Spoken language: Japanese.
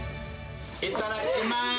いただきまーす。